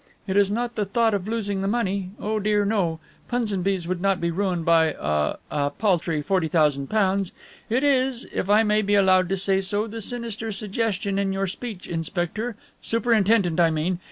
It is not the thought of losing the money, oh dear, no. Punsonby's would not be ruined by ah a paltry £40,000. It is, if I may be allowed to say so, the sinister suggestion in your speech, inspector superintendent I mean.